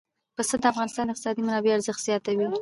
پسه د افغانستان د اقتصادي منابعو ارزښت زیاتوي.